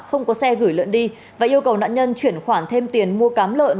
không có xe gửi lợn đi và yêu cầu nạn nhân chuyển khoản thêm tiền mua cám lợn